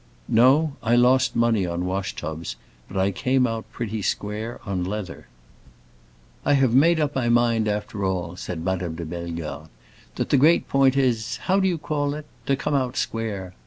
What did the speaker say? "No, I lost money on wash tubs, but I came out pretty square on leather." "I have made up my mind, after all," said Madame de Bellegarde, "that the great point is—how do you call it?—to come out square.